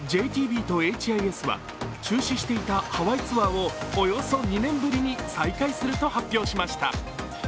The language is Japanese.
ＪＴＢとＨＩＳは中止していたハワイツアーをおよそ２年ぶりに再開すると発表しました。